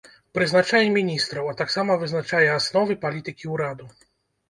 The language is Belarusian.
Прызначае міністраў, а таксама вызначае асновы палітыкі ўраду.